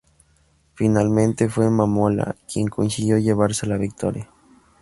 Finalmente, fue Mamola quien consiguió llevarse la victoria.